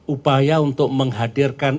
upaya untuk menghadirkan